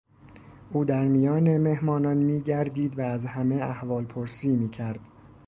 او در میان مهمانان میگردید و از همه احوالپرسی میکرد.